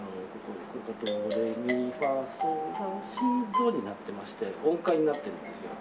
「ドレミファソラシド」になってまして音階になってるんですよ。